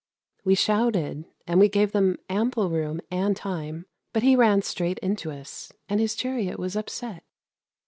We shouted, and we gave them ample room, and time, but he ran straight into us and his chariot was upset.